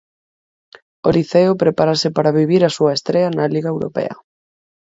O Liceo prepárase para vivir a súa estrea na Liga Europea.